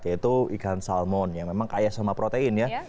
yaitu ikan salmon yang memang kaya sama protein ya